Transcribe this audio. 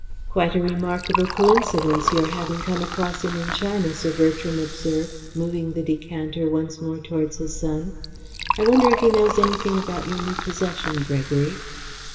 "Quite a remarkable coincidence your having come across him in China," Sir Bertram observed, moving the decanter once more towards his son. "I wonder if he knows anything about your new possession, Gregory?"